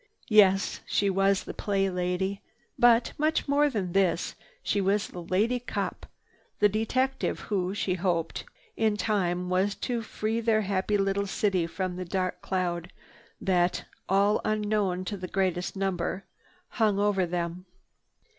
Yes, she was the Play Lady; but much more than this, she was the Lady Cop, the detective who, she hoped, in time was to free their happy little city from the dark cloud that, all unknown to the greatest number, hung over them.